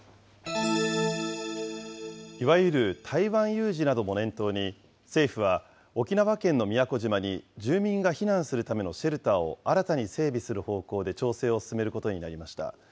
いわゆる台湾有事なども念頭に、政府は沖縄県の宮古島に、住民が避難するためのシェルターを新たに整備する方向で調整を進めることになりました。